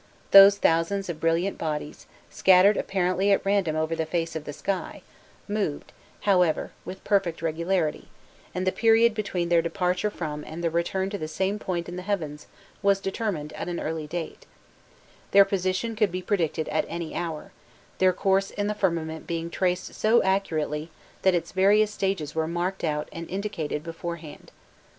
These thousands of brilliant bodies, scattered apparently at random over the face of the sky, moved, however, with perfect regularity, and the period between their departure from and their return to the same point in the heavens was determined at an early date: their position could be predicted at any hour, their course in the firmament being traced so accurately that its various stages were marked out and indicated beforehand.